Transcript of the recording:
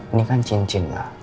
ini kan cincin ya